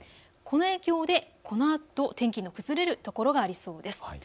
この影響でこのあと天気の崩れるところがありそうです。